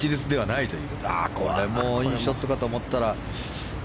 これもいいショットかと思ったら。